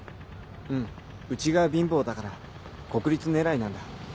うんうちが貧乏だから国立狙いなんだ。